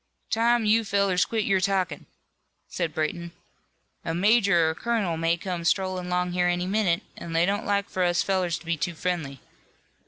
"Time you fellers quit your talkin'," said Brayton, "a major or a colonel may come strollin' 'long here any minute, an' they don't like for us fellers to be too friendly.